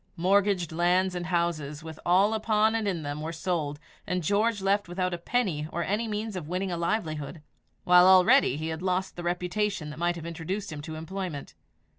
Mortgaged land and houses, with all upon and in them, were sold, and George left without a penny or any means of winning a livelihood, while already he had lost the reputation that might have introduced him to employment.